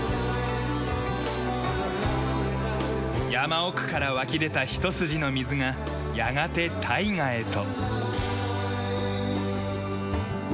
山奥から湧き出たひと筋の水がやがて大河へと。